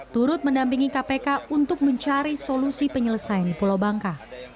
turut mendampingi kpk untuk mencari solusi penyelesaian di pulau bangka